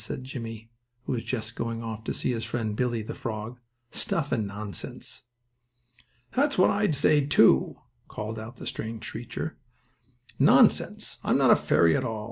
cried Jimmie, who was just going off to see his friend Bully, the frog. "Stuff and nonsense!" "That's what I say, too," called out the strange creature. "Nonsense! I'm not a fairy at all.